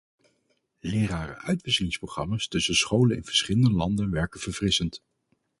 Lerarenuitwisselingsprogramma's tussen scholen in verschillende landen werken verfrissend.